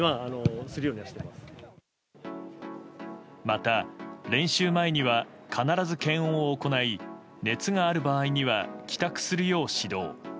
また、練習前には必ず検温を行い熱がある場合には帰宅するよう指導。